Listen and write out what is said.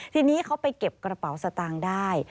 ทีนี้เขาไปเก็บกระเป๋าสตางค์ได้